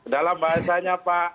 dalam bahasanya pak